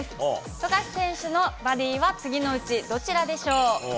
富樫選手のバディは次のうちどちらでしょう。